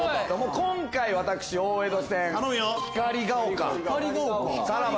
今回私大江戸線。光が丘さらば